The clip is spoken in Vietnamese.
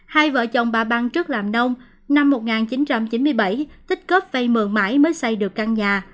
hai vợ chồng bà băng trước làm nông năm một nghìn chín trăm chín mươi bảy tích cấp xây mượn mãi mới xây được căn nhà